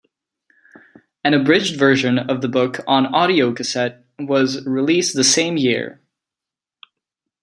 An abridged version of the book on audio cassette was released the same year.